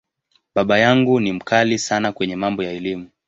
Baba yangu ni ‘mkali’ sana kwenye mambo ya Elimu.